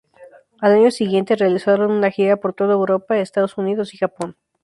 Al año siguiente, realizaron una gira por toda Europa, Estados Unidos y Japón.